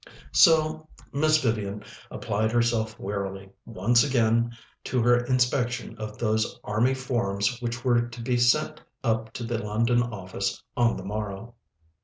So Miss Vivian applied herself wearily, once again, to her inspection of those Army Forms which were to be sent up to the London office on the morrow.